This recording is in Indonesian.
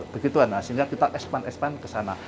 begitulah sehingga kita expand expand ke sana